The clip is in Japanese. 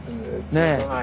ねえ。